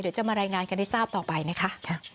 เดี๋ยวจะมารายงานกันในทราบต่อไปนะคะ